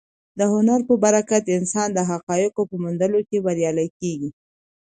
د هنر په برکت انسان د حقایقو په موندلو کې بریالی کېږي.